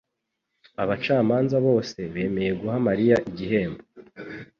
Abacamanza bose bemeye guha Mariya igihembo